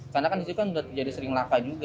karena kan disitu kan udah jadi sering laka juga